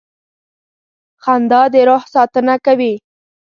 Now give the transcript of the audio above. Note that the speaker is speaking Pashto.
• خندا د روح ساتنه کوي.